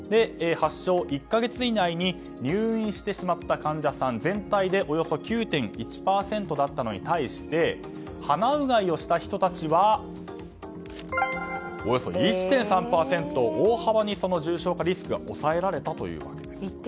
発症１か月以内に入院してしまった患者さん全体でおよそ９．１％だったのに対して鼻うがいをした人たちはおよそ１．３％と大幅に重症化リスクが抑えられたということです。